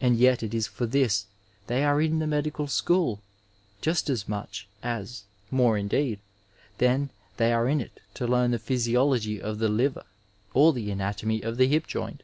And yet it is for this they are in the medical school, just as much as, more indeed, than they are in it to learn the physiology of the liver or the anatomy of the hip joint.